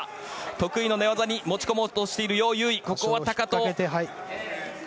得意の寝技に持ち込もうとしているヨウ・ユウイ。